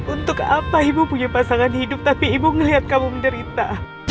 untuk apa ibu punya pasangan hidup tapi ibu ngelihat kamu menderita